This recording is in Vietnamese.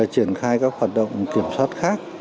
triển khai các hoạt động kiểm soát khác